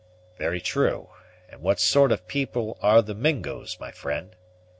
"Very true: and what sort of people are the Mingos, my friend?"